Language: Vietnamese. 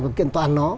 và kiện toàn nó